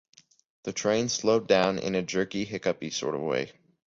The train slowed down, in a jerky hiccuppy sort of way.